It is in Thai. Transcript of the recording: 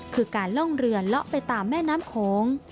คือการล่องเรือเลาะไปตามแม่น้ำโขง